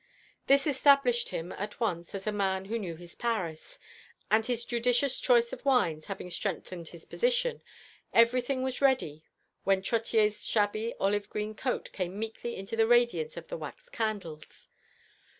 This established him at once as a man who knew his Paris, and his judicious choice of wines having strengthened his position, everything was ready when Trottier's shabby olive green coat came meekly into the radiance of the wax candles.